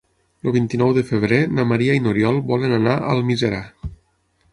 El vint-i-nou de febrer na Maria i n'Oriol volen anar a Almiserà.